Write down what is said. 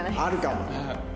あるかも。